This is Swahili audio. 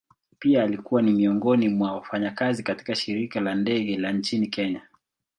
Pia alikuwa ni miongoni mwa wafanyakazi katika shirika la ndege la nchini kenya.